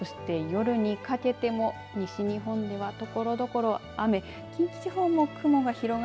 そして夜にかけても西日本では、ところどころ雨。